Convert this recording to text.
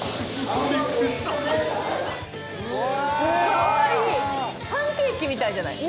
かわいい。